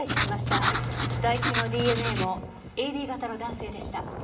唾液のＤＮＡもＡＢ型の男性でした。